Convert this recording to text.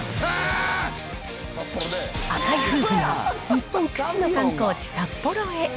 赤井夫婦が日本屈指の観光地、札幌へ。